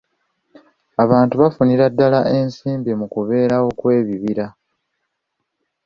Abantu bafunira ddaala ensimbi mu kubeerawo kw'ebibira.